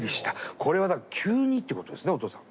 これはだから急にっていうことですねお父さん。